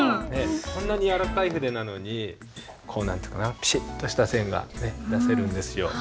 こんなに柔らかい筆なのにこう何て言うかなピシッとした線が出せるんですよ。